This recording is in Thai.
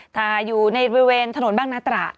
แต่อยู่ในบริเวณถนนบ้างนาตระ